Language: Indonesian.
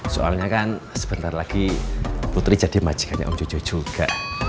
soalnya kan sebentar lagi putri jadi majikannya om cucu juga